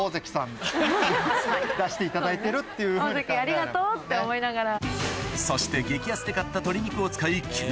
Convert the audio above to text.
オオゼキありがとうって思いながら。